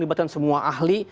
dibatkan semua ahli